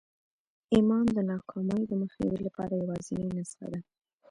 ایمان د ناکامۍ د مخنیوي لپاره یوازېنۍ نسخه ده